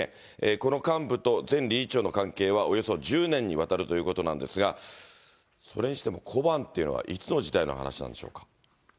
この幹部と前理事長の関係はおよそ１０年にわたるということなんですが、それにしても、小判というのはいつの時代の話なんでしょうか。